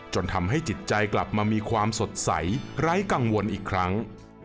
จนทำให้จิตใจกลับมามีความสดใสไร้กังวลอีกครั้ง